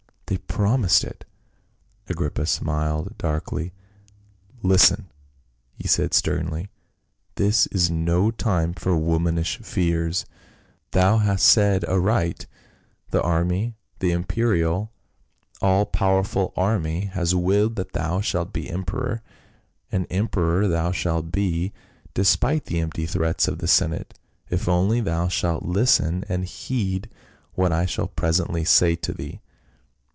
"T/uy promised it." Agrippa smiled darkly. "Listen !" he said sternly. " This is no time for womanish tears ; thou hast said aright, the army — the imperial, all powerful army, has willed that thou shalt be emperor, and emperor thou shalt be, despite the empty threats of the senate, if only thou shalt listen and heed what I shall presently say to thee."